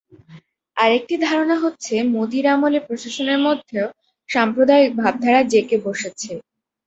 আরেকটি ধারণা হচ্ছে, মোদির আমলে প্রশাসনের মধ্যেও সাম্প্রদায়িক ভাবধারা জেঁকে বসেছে।